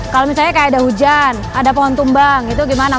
kalau misalnya kayak ada hujan ada pohon tumbang itu gimana